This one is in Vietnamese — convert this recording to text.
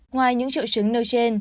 ngoài những triệu chứng nơi trên